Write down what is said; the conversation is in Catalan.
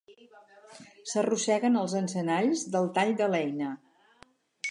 S'arrosseguen els encenalls del tall de l'eina.